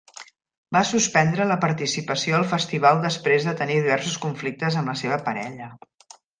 Va suspendre la participació al festival després de tenir diversos conflictes amb la seva parella.